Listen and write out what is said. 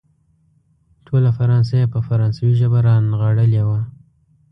ټوله فرانسه يې په فرانسوي ژبه رانغاړلې وه.